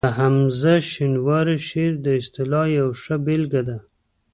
د حمزه شینواري شعر د اصطلاح یوه ښه بېلګه ده